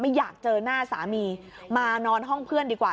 อยากเจอหน้าสามีมานอนห้องเพื่อนดีกว่า